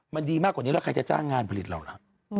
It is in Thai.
มันดีมากกว่านี้แล้วใครจะจ้างงานผลิตเราล่ะ